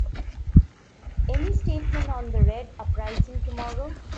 Any statement on the Red uprising tomorrow?